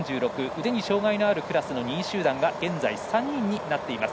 腕に障がいのあるクラスの２位集団が３人になっています。